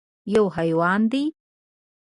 _يو حيوان دی.